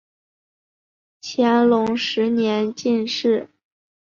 乾隆十年进士。